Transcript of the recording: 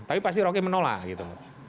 tapi pasti rocky menolak gitu